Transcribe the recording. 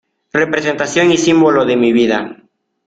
representación y símbolo de mi vida.